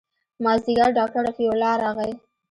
مازديګر ډاکتر رفيع الله راغى.